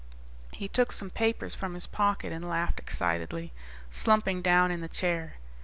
He took some papers from his pocket and laughed excitedly, slumping down in the chair.